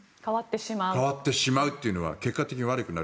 変わってしまうというのは結果的に悪くなる。